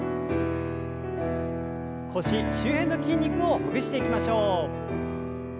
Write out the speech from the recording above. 腰周辺の筋肉をほぐしていきましょう。